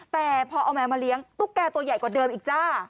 แต่พอเอาแมวมาเลี้ยงตุ๊กแก่ตัวใหญ่กว่าเดิมอีกจ้า